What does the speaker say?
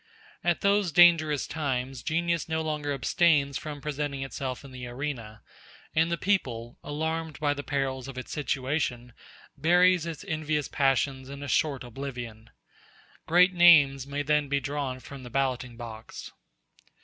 At those dangerous times genius no longer abstains from presenting itself in the arena; and the people, alarmed by the perils of its situation, buries its envious passions in a short oblivion. Great names may then be drawn from the balloting box.